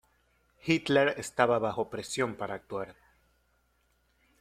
Hitler estaba bajo presión para actuar.